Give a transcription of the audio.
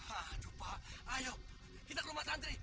aduh pak ayo kita ke rumah tantri